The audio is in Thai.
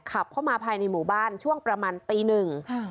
ขับเข้ามาภายในหมู่บ้านช่วงประมาณตีหนึ่ง